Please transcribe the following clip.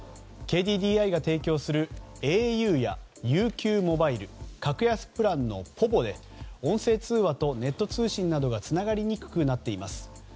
ＫＤＤＩが提供するａｕやＵＱモバイル格安プランのｐｏｖｏで音声通話とネット通信などがつながりにくくなっています。